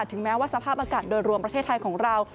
ถึงแม้ว่าสภาพอากาศโดยรวมประเทศไทยของเรา